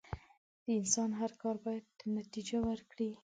د انسان هر کار بايد نتیجه ورکړي.